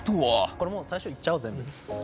これもう最初にいっちゃおう全部。